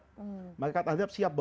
kata malaikat rahmat dan malaikat azab